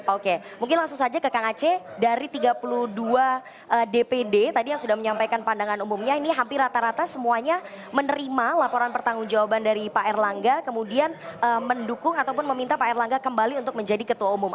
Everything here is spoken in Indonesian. oke mungkin langsung saja ke kang aceh dari tiga puluh dua dpd tadi yang sudah menyampaikan pandangan umumnya ini hampir rata rata semuanya menerima laporan pertanggung jawaban dari pak erlangga kemudian mendukung ataupun meminta pak erlangga kembali untuk menjadi ketua umum